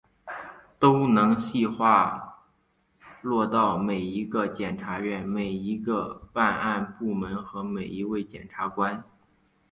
都能细化落到每一个检察院、每一个办案部门和每一位检察官